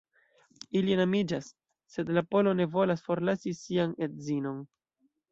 Ili enamiĝas, sed la polo ne volas forlasi sian edzinon.